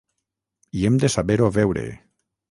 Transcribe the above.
I hem de saber-ho veure.